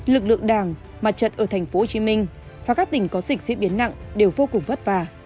lực lượng đảng mặt trận ở tp hcm và các tỉnh có dịch diễn biến nặng đều vô cùng vất vả